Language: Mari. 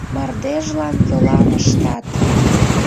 Мардежлан йолам ыштат.